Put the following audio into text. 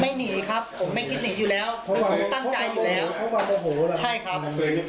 ไม่มีเจตนาเลยจริงแล้วผมไม่รู้ด้วยว่าเขาโดนยิง